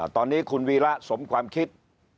ตอนนี้คุณวีระสมความคิด